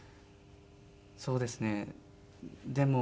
そうですねでも。